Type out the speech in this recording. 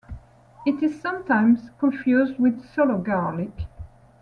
It is sometimes confused with solo garlic.